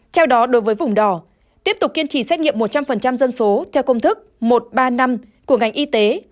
theo đó đối với vùng đỏ tiếp tục kiên trì xét nghiệm một trăm linh dân số theo công thức một trăm ba mươi năm của ngành y tế